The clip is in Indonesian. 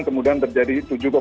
kemudian terjadi tujuh enam